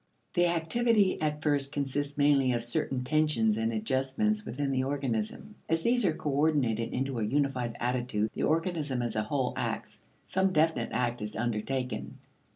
The activity at first consists mainly of certain tensions and adjustments within the organism; as these are coordinated into a unified attitude, the organism as a whole acts some definite act is undertaken.